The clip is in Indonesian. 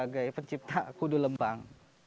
kita kudu lempang